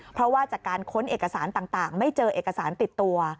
เพราะว่าจากการค้นเอกสารต่างไม่เจอเอกสารติดตัว